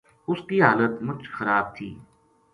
اس کی حالت مُچ خراب تھی